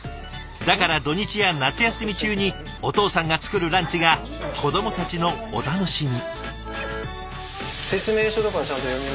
だから土日や夏休み中にお父さんが作るランチが子どもたちのお楽しみ。